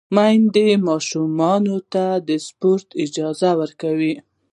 میندې ماشومانو ته د سپورت اجازه ورکوي۔